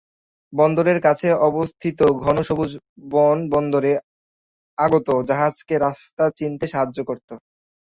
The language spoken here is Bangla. বন্দরের কাছে অবস্থিত ঘন সবুজ বন বন্দরে আগত জাহাজকে রাস্তা চিনতে সাহায্য করত।